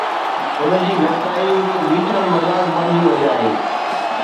ان جي گهٽتائي هڪ بيٺل مذاق بڻجي وئي آهي